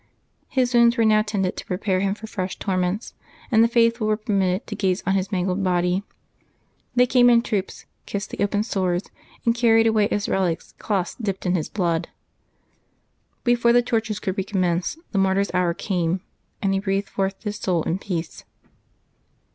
His wounds were now tended to prepare him for fresh torments, and the faithful were permitted to gaze on his mangled body. ■ They came in troops, kissed the open sores, and carried away as relics cloths dipped in his blood. Before the tor tures could recommence, the mart3T's hour came, and he breathed forth his soul in peace.